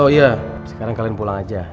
oh iya sekarang kalian pulang aja